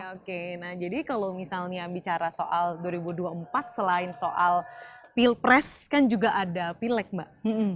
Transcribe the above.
oke nah jadi kalau misalnya bicara soal dua ribu dua puluh empat selain soal pilpres kan juga ada pilek mbak